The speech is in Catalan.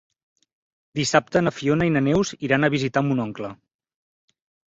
Dissabte na Fiona i na Neus iran a visitar mon oncle.